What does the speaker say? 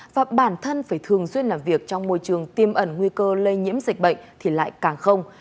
và bản thân phải thường xuyên làm việc trong môi trường tiêm ẩn nguy cơ lây nhiễm dịch bệnh thì lại càng không